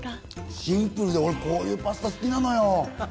シンプルで、こういうパスタ好きなのよ。